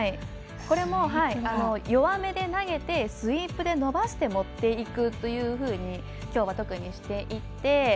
これも弱めで投げてスイープで伸ばして持っていくというふうにきょうは特にしていって。